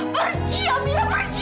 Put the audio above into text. pergi amira pergi